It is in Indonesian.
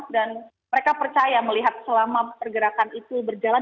dan mereka percaya melihat selama pergerakan itu berjalan